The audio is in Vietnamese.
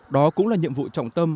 đó cũng là nhiệm vụ trọng tâm